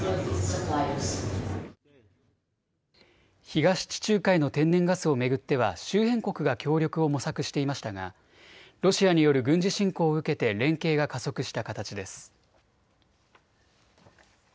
東地中海の天然ガスを巡っては周辺国が協力を模索していましたがロシアによる軍事侵攻を受けて連携が加速した形です。